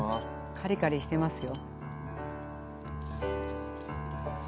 カリカリしてますよ。